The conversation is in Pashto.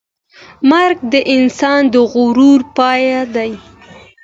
مرګ د انسان د غرور پای دی.